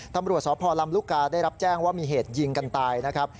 ตำรวจสพลำลูกกาได้รับแจ้งว่ามีเหตุยิงกันตายนะครับ